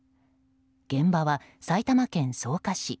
現場は埼玉県草加市。